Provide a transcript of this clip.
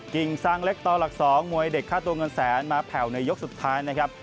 กิ่งซางเล็กต่อหลัก๒มวยเด็กค่าตัวเงินแสนมาแผ่วในยกสุดท้ายนะครับ